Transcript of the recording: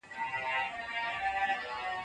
هغه د نوې موضوع په اړه معلومات راټول کړي دي.